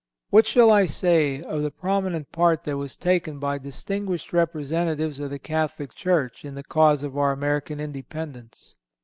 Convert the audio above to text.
(313) What shall I say of the prominent part that was taken by distinguished representatives of the Catholic Church in the cause of our American Independence?